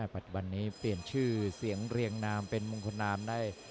ปัจจุบันนี้เปลี่ยนชื่อเสียงเรียงนามเป็นมงคลนามได้